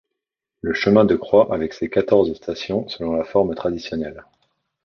Le chemin de croix avec ses quatorze stations selon la forme traditionnelle.